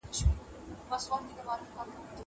زه هره ورځ زده کړه کوم.